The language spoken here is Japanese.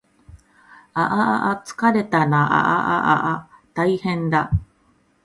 ああああつかれたなああああたいへんだ